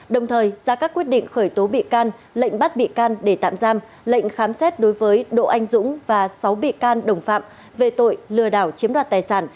đồng thời ra các quyết định khởi tố bị can lệnh bắt bị can để tạm giam lệnh khám xét đối với đỗ anh dũng và sáu bị can đồng phạm về tội lừa đảo chiếm đoạt tài sản